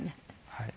はい。